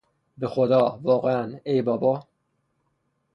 به خدا!، واقعا!، ای بابا!